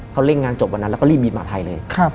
เขาเร่งงานจบวันนั้นแล้วก็รีบบินมาไทยเลย